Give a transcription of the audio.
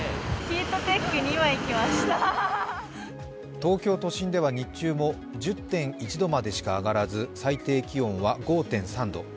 東京都心では日中も１０．１度までしか上がらず最低気温は５．３度。